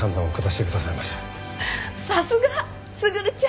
さすが卓ちゃん！